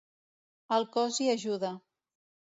El cos hi ajuda.